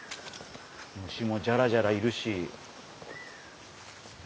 虫もじゃらじゃらいるし。